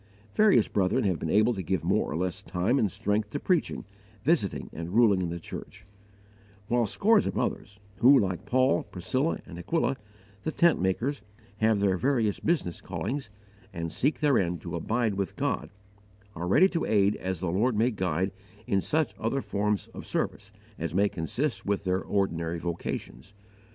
Various brethren have been able to give more or less time and strength to preaching, visiting, and ruling in the church; while scores of others, who, like Paul, Priscilla and Aquila, the tent makers, have their various business callings and seek therein to "abide with God," are ready to aid as the Lord may guide in such other forms of service as may consist with their ordinary vocations.